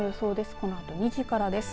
このあと２時からです。